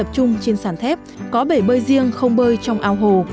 chung trên sàn thép có bể bơi riêng không bơi trong ao hồ